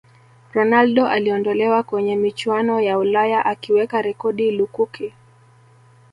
ronaldo aliondolewa kwenye michuano ya ulaya akiweka rekodi lukuki